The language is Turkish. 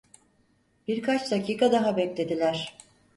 Birkaç dakika daha beklediler.